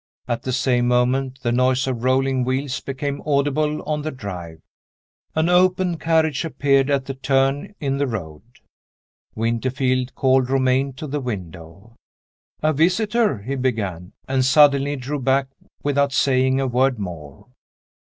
At the same moment the noise of rolling wheels became audible on the drive. An open carriage appeared at the turn in the road. Winterfield called Romayne to the window. "A visitor," he began and suddenly drew back, without saying a word more.